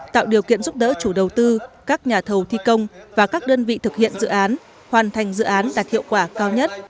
tạo điều kiện giúp đỡ chủ đầu tư các nhà thầu thi công và các đơn vị thực hiện dự án hoàn thành dự án đạt hiệu quả cao nhất